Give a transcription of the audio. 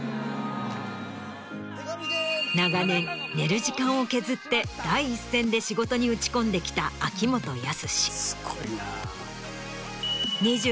長年寝る時間を削って第一線で仕事に打ち込んできた秋元康。